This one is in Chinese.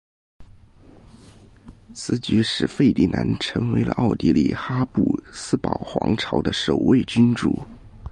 此举使费迪南成为了奥地利哈布斯堡皇朝的首位君主。